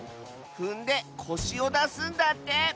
ふんでこしをだすんだって！